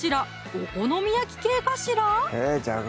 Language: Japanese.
お好み焼き系かしら？